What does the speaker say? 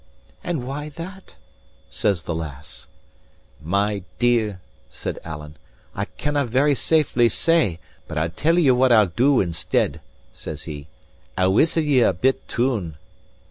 "And why that?" says the lass. "My dear," said Alan, "I cannae very safely say; but I'll tell ye what I'll do instead," says he, "I'll whistle ye a bit tune."